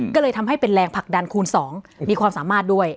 ก็เลยทำให้เป็นแรงผลักดันคูณ๒มีความสามารถด้วย